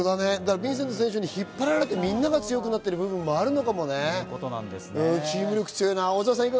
ヴィンセント選手に引っ張られて、みんなが強くなってるっていうところがあるのかもね。